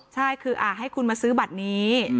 ใช่คือให้คุณมาซื้อบัตรนี้